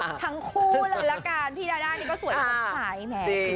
ทั้งคู่ละละกันพี่ดาดานี่ก็สวยมากกว่าหลายแหม